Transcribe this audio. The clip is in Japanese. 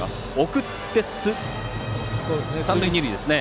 送って、三塁二塁ですね。